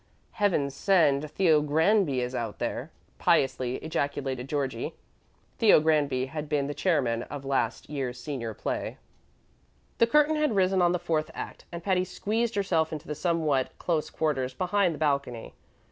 "Heaven send Theo Granby is out there!" piously ejaculated Georgie. (Theo Granby had been the chairman of last year's senior play.) THE curtain had risen on the fourth act, and Patty squeezed herself into the somewhat close quarters behind the balcony.